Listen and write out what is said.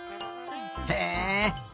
へえ。